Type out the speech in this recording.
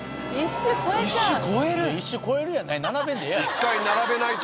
「１周超える」やない。